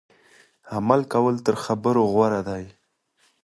عمل کول تر خبرو غوره دي.